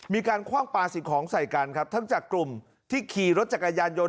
คว่างปลาสิ่งของใส่กันครับทั้งจากกลุ่มที่ขี่รถจักรยานยนต